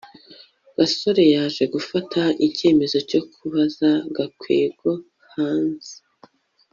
gasore yaje gufata icyemezo cyo kubaza gakwego hanze